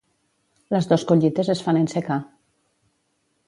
Les dos collites es fan en secà.